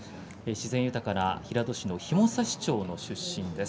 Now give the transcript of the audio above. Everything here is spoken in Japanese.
自然豊かな平戸市の紐差町の出身です。